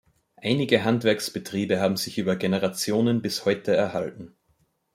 Einige Handwerksbetriebe haben sich über Generationen bis heute erhalten.